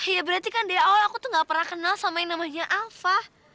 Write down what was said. iya berarti kan dari awal aku tuh gak pernah kenal sama yang namanya alpha